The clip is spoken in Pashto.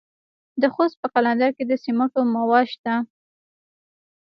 د خوست په قلندر کې د سمنټو مواد شته.